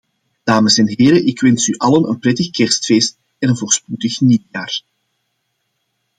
Dames en heren, ik wens u allen een prettig kerstfeest en een voorspoedig nieuwjaar.